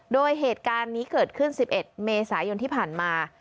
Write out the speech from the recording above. โดยเหตุการณ์นี้เกิดขึ้น๑๑เมษายนที่ผ่านมา